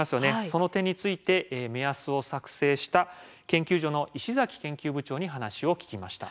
その点について目安を作成した研究所の石崎研究部長に話を聞きました。